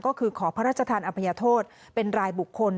ก็คือขอพระราชทานอภัยโทษเป็นรายบุคคล